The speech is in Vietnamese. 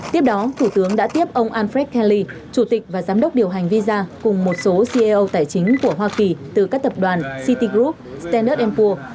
tiếp đó thủ tướng đã tiếp ông alfred kelly chủ tịch và giám đốc điều hành visa cùng một số ceo tài chính của hoa kỳ từ các tập đoàn citigroup standard poor s